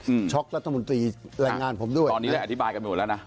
ช็อกรัฐมนตรีแรงงานผมด้วยตอนนี้ได้อธิบายกันไปหมดแล้วนะ